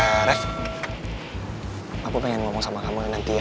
eh rev aku pengen ngomong sama kamu nanti ya